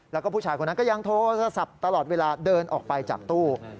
แล้วก็ผู้ชายคนนั้นก็ยังโทรศัพท์ตลอดเวลาเดินออกไปจากตู้